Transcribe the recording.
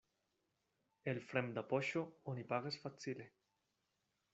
El fremda poŝo oni pagas facile.